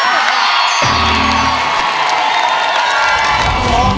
ได้แค่บอล